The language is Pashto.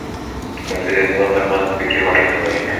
ټیکنالوژي د انسانانو ترمنځ فکري واټن کموي.